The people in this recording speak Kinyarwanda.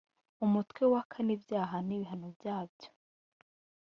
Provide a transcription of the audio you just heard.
umutwe wa kane ibyaha n ibihanobyabyo